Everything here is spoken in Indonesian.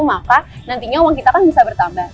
maka nantinya uang kita akan bisa bertambah